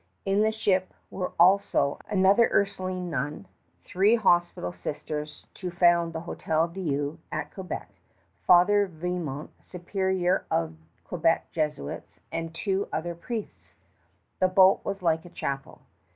In the ship were also another Ursuline nun, three hospital sisters to found the Hôtel Dieu at Quebec, Father Vimont, superior of Quebec Jesuits, and two other priests. The boat was like a chapel.